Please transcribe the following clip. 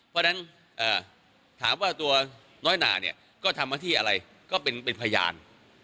เพราะฉะนั้นถามว่าตัวน้อยหนาเนี่ยก็ทำหน้าที่อะไรก็เป็นพยาน